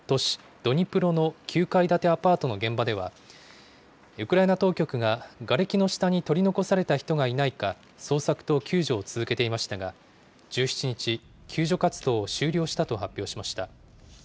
ドニプロの９階建てアパートの現場では、ウクライナ当局ががれきの下に取り残された人がいないか捜索と救助を続けていましたが、１７日、救助活動を終了したと発表しました。